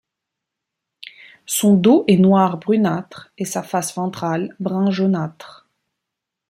Son dos est noir brunâtre et sa face ventrale brun jaunâtre.